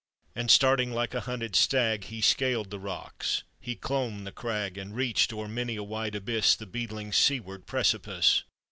And, starting like a hunted stag, He scaled the rocks, he clomb the crag, And reach'd o'er many a wide abyss The beetling seaward precipice.